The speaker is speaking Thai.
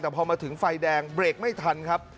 แต่พอมาถึงไฟแดงเบรกไม่ทันครับ